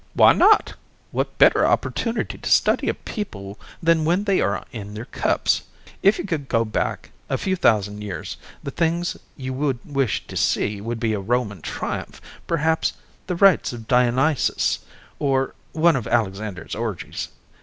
"Why not! What better opportunity to study a people than when they are in their cups? If you could go back a few thousand years, the things you would wish to see would be a Roman Triumph, perhaps the Rites of Dionysus, or one of Alexander's orgies.